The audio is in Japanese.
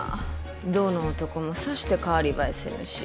どの男もさして代わり映えせぬし。